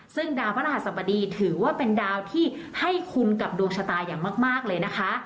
ซึ่งดาวพระราชสบดีถือว่าเป็นดาวที่ให้คุณกับดวงชะตาอย่างมากเลยนะคะ